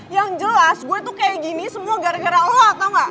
yang jelas gue tuh kayak gini semua gara gara lo tau gak